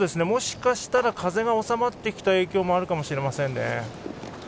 もしかしたら風が収まってきた影響もあるかもしれませんね。